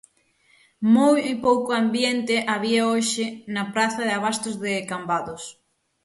Moi pouco ambiente había hoxe na praza de abastos de Cambados.